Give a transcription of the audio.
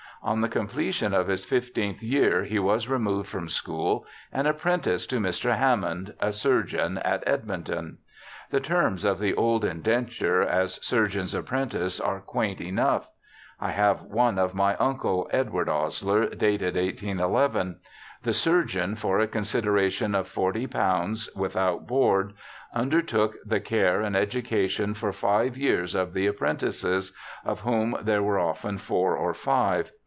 On the completion of his fifteenth j^ear he was re moved from school and apprenticed to Mr. Hammond, a surgeon at Edmonton. The terms of the old inden ture as surgeon's apprentice are quaint enough. I have one of my uncle, Edward Osier, dated 181 1. The surgeon, for a consideration of £^0, without board, undertook the care and education for five years of the apprentices, of whom there were often four or five.